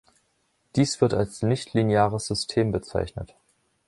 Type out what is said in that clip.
Dies wird als "nichtlineares System" bezeichnet.